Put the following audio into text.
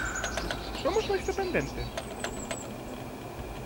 Somos máis dependentes?